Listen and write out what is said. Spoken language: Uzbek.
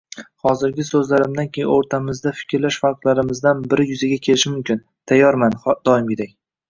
Hozirgi so‘zlarimdan keyin o‘rtamizda fikrlash farqlarimizdan biri yuzaga kelishi mumkin. Tayyorman, doimgidek.